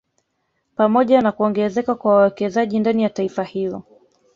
Pamoja na kuongezeka kwa wawekezaji ndani ya taifa hilo